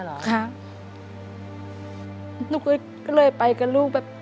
ลูกเกร็งไปกับลูก